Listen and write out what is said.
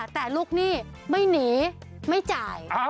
แต่ลูกหนี้ไม่หนีไม่จ่าย